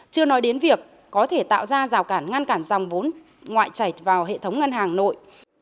chưa nói đến việc có thể tạo ra rào cản ngăn cản dòng vốn ngoại chảy vào hệ thống ngân hàng nội